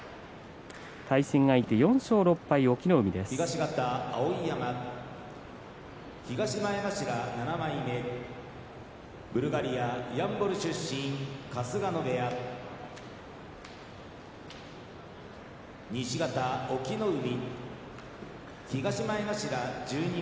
対戦相手、４勝６敗の隠岐の海。